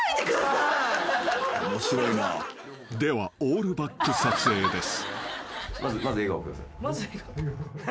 ［ではオールバック撮影です］